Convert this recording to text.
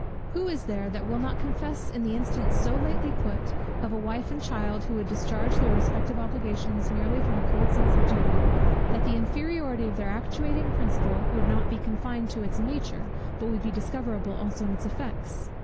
Who is there that will not confess in the instance so lately put, of a wife and a child who should discharge their respective obligations merely from a cold sense of duty, that the inferiority of their actuating principle would not be confined to its nature, but would be discoverable also in its effects?